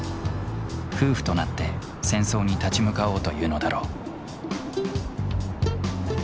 夫婦となって戦争に立ち向かおうというのだろう。